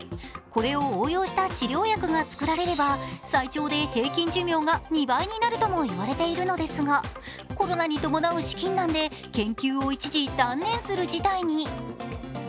これを応用した治療薬が作られれば、最長で平均寿命が２倍になるともいわれているのですが、コロナに伴う資金難で研究を一時断念する事態に。